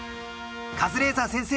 カズレーザー先生